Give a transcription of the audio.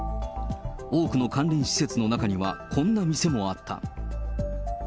多くの関連施設の中には、こんな店もあった。